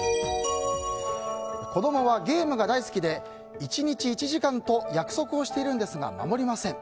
子供はゲームが大好きで１日１時間と約束をしているんですが守りません。